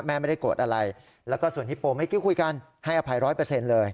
ไม่ได้โกรธอะไรแล้วก็ส่วนฮิปโปเมื่อกี้คุยกันให้อภัยร้อยเปอร์เซ็นต์เลย